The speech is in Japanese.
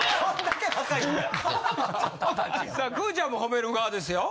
さあくーちゃんも褒める側ですよ。